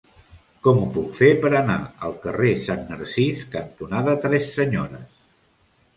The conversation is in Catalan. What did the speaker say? Com ho puc fer per anar al carrer Sant Narcís cantonada Tres Senyores?